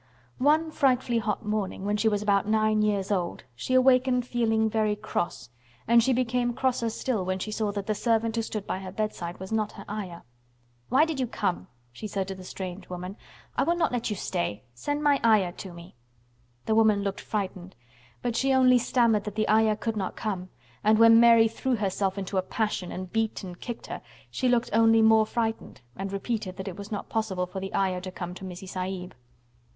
One frightfully hot morning, when she was about nine years old, she awakened feeling very cross, and she became crosser still when she saw that the servant who stood by her bedside was not her Ayah. "Why did you come?" she said to the strange woman. "I will not let you stay. Send my Ayah to me." The woman looked frightened, but she only stammered that the Ayah could not come and when Mary threw herself into a passion and beat and kicked her, she looked only more frightened and repeated that it was not possible for the Ayah to come to Missie Sahib.